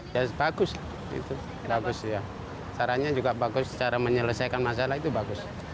ya bagus ya caranya juga bagus cara menyelesaikan masalah itu bagus